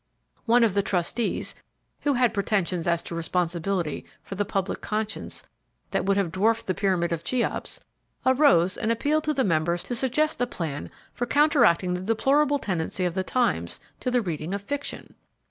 One of the trustees, who had pretentions as to responsibility for the public conscience that would have dwarfed the pyramid of Cheops, arose and appealed to the members to suggest a plan for counteracting the deplorable tendency of the times to the reading of fiction.